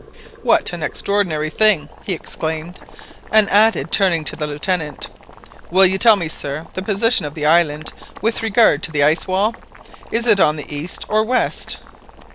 "What an extraordinary thing!" he exclaimed, and added, turning to the Lieutenant— "Will you tell me, sir, the position of the island with regard to the ice wall, is it on the east or west?"